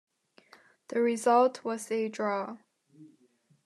The result was a draw.